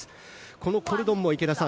このコルドンも池田さん